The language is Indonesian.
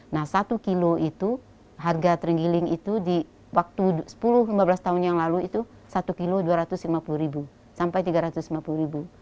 nah satu kilo itu harga terenggiling itu di waktu sepuluh lima belas tahun yang lalu itu satu kilo rp dua ratus lima puluh sampai rp tiga ratus lima puluh